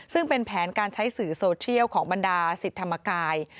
ซึ่งเป็นแผนการใช้สื่อโซเชียลของบรรดาศิษย์ธรรมกาย